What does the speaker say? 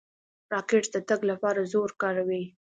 راکټ د تګ لپاره زور کاروي.